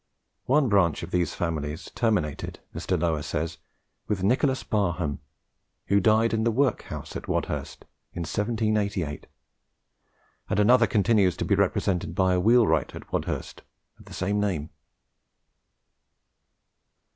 One branch of these families terminated, Mr. Lower says, with Nicholas Barham, who died in the workhouse at Wadhurst in 1788; and another continues to be represented by a wheelwright at Wadhurst of the same name.